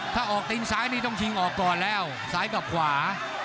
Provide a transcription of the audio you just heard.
ถ้าออกตีนซ้ายนี่ต้องชิงออกก่อนแล้วซ้ายกับขวา